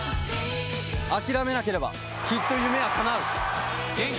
諦めなければきっと夢は叶う！